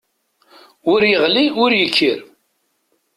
Ur yeɣli ur yekkir.